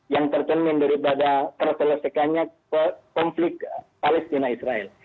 yang tercermin daripada terselesaikannya konflik palestina israel